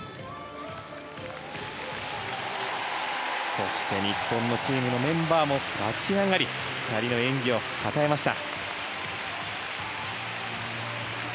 そして日本のチームのメンバーも立ち上がり２人の演技をたたえました。